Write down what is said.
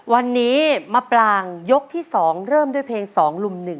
วันนี้มะปรางยกที่๒เริ่มด้วยเพลง๒ลุม๑